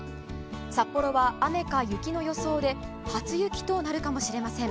札幌は、雨か雪の予想で初雪となるかもしれません。